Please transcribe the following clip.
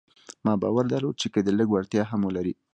ما باور درلود چې که دی لږ وړتيا هم ولري.